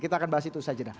kita akan bahas itu saja dah